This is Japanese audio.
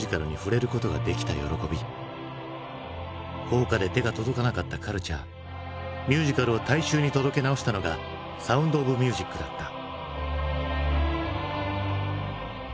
高価で手が届かなかったカルチャーミュージカルを大衆に届け直したのが「サウンド・オブ・ミュージック」だった。